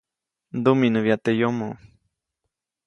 Ndumiʼnäbyaʼt teʼ yomoʼ.